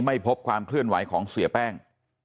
ไม่พบความเคลื่อนไหวของเสียแป้ง